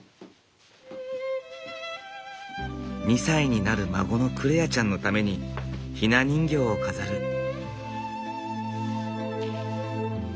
２歳になる孫のクレアちゃんのためにひな人形を飾る。